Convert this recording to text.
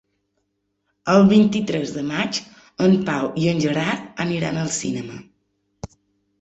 El vint-i-tres de maig en Pau i en Gerard aniran al cinema.